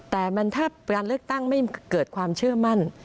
แต่ถ้าการเลือกตั้งไม่เกิดความเชื่อมั่น